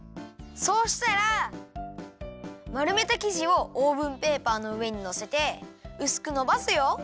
そうしたらまるめたきじをオーブンペーパーのうえにのせてうすくのばすよ。